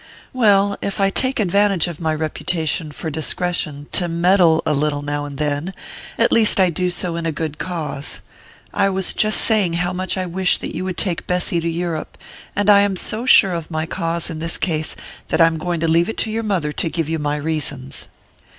"Well, if I take advantage of my reputation for discretion to meddle a little now and then, at least I do so in a good cause. I was just saying how much I wish that you would take Bessy to Europe; and I am so sure of my cause, in this case, that I am going to leave it to your mother to give you my reasons."